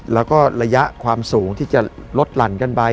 แล้วก็ระยะความสูงที่จะลดหลั่นกันไป